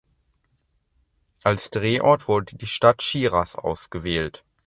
Als Drehort wurde die Stadt Schiras ausgewählt.